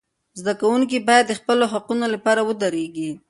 زده کوونکي باید د خپلو حقوقو لپاره ودریږي.